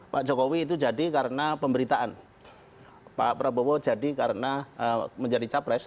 pak jokowi itu jadi karena pemberitaan pak prabowo jadi karena menjadi capres